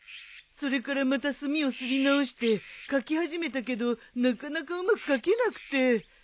それからまた墨をすり直して書き始めたけどなかなかうまく書けなくて。